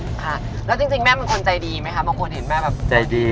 ค่ะแล้วจริงแม่เป็นคนใจดีไหมคะบางคนเห็นแม่แบบใจดี